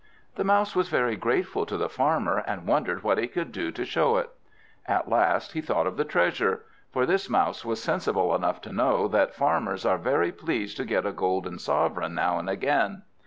The Mouse was very grateful to the Farmer, and wondered what he could do to show it. At last he thought of the treasure; for this Mouse was sensible enough to know that Farmers are very pleased to get a golden sovereign now and again.